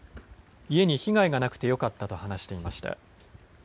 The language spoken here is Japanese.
家に被害がなくてよかったと話していました。